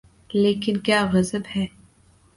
لیکن کیا غضب ہے۔